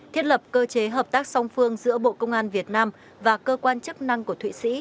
thiết lập cơ chế hợp tác song phương giữa bộ công an việt nam và cơ quan chức năng của thụy sĩ